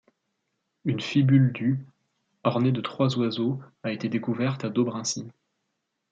Une fibule du ornée de trois oiseaux a été découverte à Dobrinci.